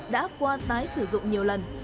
đã qua tái sử dụng nhiều lần